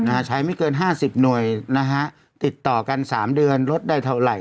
ใช้ไม่เกินห้าสิบหน่วยนะฮะติดต่อกันสามเดือนลดได้เท่าไหร่